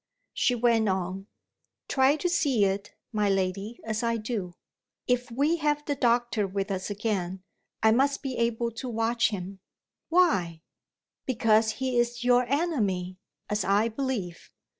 She went on: "Try to see it, my lady, as I do! If we have the doctor with us again, I must be able to watch him." "Why?" "Because he is your enemy, as I believe."